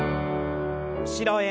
後ろへ。